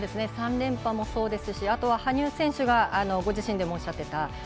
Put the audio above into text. ３連覇もそうですし羽生選手がご自身でもおっしゃっていた